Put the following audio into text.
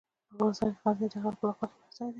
افغانستان کې غزني د خلکو د خوښې وړ ځای دی.